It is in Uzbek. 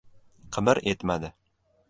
Qimir etmadi.